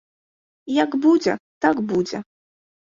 Як будзе, так будзе.